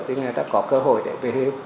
thì người ta có cơ hội để về hưu